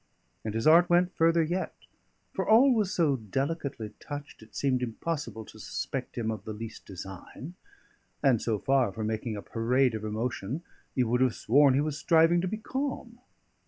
And his art went further yet; for all was so delicately touched, it seemed impossible to suspect him of the least design; and so far from making a parade of emotion, you would have sworn he was striving to be calm.